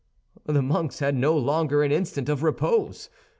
The monks had no longer an instant of repose.